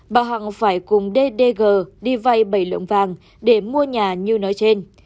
bà hằng phải cùng d d g đi vay bảy lượng vàng để mua nhà như nói trên